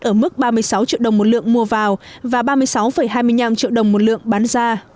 ở mức ba mươi sáu triệu đồng một lượng mua vào và ba mươi sáu hai mươi năm triệu đồng một lượng bán ra